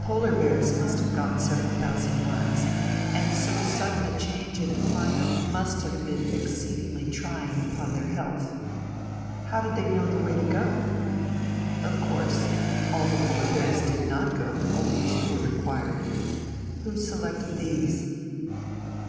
Polar bears must have gone several thousand miles, and so sudden a change in climate must have been exceedingly trying upon their health. How did they know the way to go? Of course, all the polar bears did not go. Only two were required. Who selected these?